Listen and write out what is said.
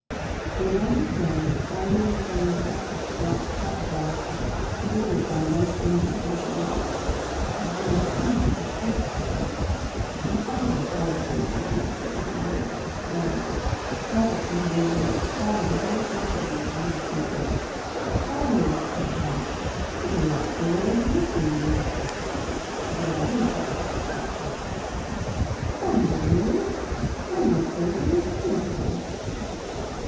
They then returned, following the southern crest of the granite platform, bordered by a long fringe of jagged rocks, of the most whimsical shapes. Some hundreds of birds lived there nestled in the holes of the stone; Herbert, jumping over the rocks, startled a whole flock of these winged creatures. "Oh!" cried he, "those are not gulls nor sea mews!" "What are they then?" asked Pencroft. "Upon my word, one would say they were pigeons!"